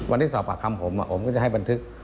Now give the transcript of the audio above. ที่สอบปากคำผมผมก็จะให้บันทึก